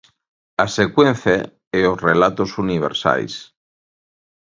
A secuencia e os relatos universais.